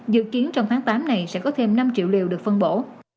dự kiến trong tháng tám này sẽ có thêm năm triệu liều được phân bổ